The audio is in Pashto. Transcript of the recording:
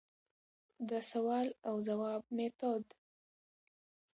دسوال او ځواب ميتود: